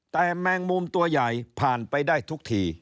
แต่แมงมุมตัวใหญ่ผ่านไปได้ทุกที